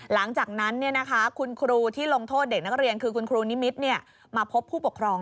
หลังจากนั้นคุณครูที่ลงโทษเด็กนักเรียนมาพบผู้ปกครอง